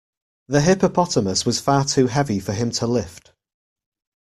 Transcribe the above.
The hippopotamus was far too heavy for him to lift.